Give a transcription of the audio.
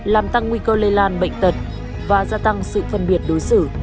làm tăng nguy cơ lây lan bệnh tật và gia tăng sự phân biệt đối xử